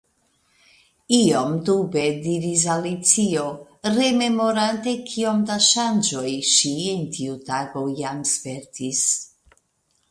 Iom dube diris Alicio, rememorante kiom da ŝanĝoj ŝi en tiu tago jam spertis.